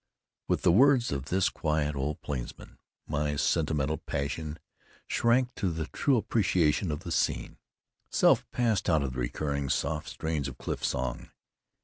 With the words of this quiet old plainsman, my sentimental passion shrank to the true appreciation of the scene. Self passed out to the recurring, soft strains of cliff song.